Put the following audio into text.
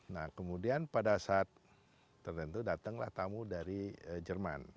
nah kemudian pada saat tertentu datanglah tamu dari jerman